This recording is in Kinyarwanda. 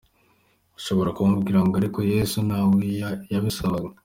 Ushobora kumbwira ngo ariko Yesu ntawe yabisabaga.